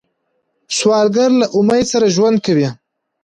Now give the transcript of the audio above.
سوالګر له امید سره ژوند کوي